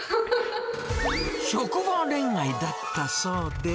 職場恋愛だったそうで。